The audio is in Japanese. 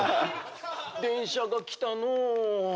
電車が来たのう。